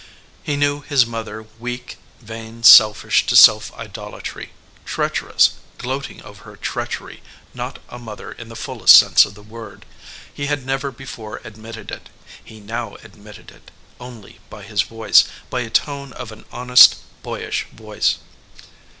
He knew his mother weak, vain, selfish to self idolatry, treacherous, gloating over her treachery not a mother in the fullest sense of the word. He had never before admitted it. He now admitted it only by his voice, by a tone of an honest, boyish voice.